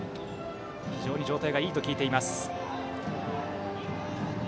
非常に状態がいいと聞いております。